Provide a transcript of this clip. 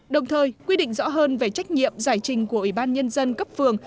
đồng thời quy định rõ hơn về trách nhiệm giải trình của ủy ban nhân dân cấp phường